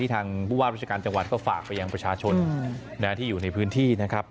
ทางผู้ว่าราชการจังหวัดก็ฝากไปยังประชาชนที่อยู่ในพื้นที่นะครับ